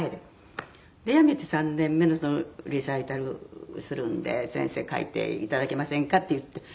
やめて３年目のリサイタルするんで「先生書いていただけませんか？」って言って。